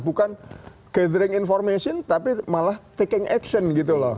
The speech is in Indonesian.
bukan gathering information tapi malah taking action gitu loh